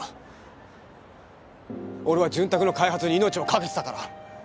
俺は「潤沢」の開発に命を懸けてたから。